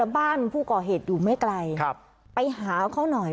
บ้านผู้ก่อเหตุอยู่ไม่ไกลไปหาเขาหน่อย